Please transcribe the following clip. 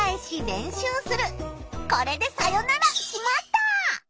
これでさよなら「しまった！」。